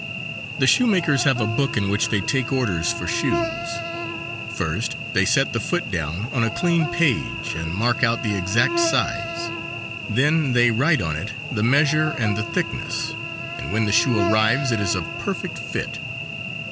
The shoemakers have a book in which they take orders for shoes. First they set the foot down on a clean page and mark out the exact size; then they write on it the measure and the thickness, and when the shoe arrives it is of perfect fit.